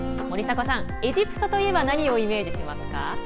森迫さん、エジプトといえば何をイメージしますか？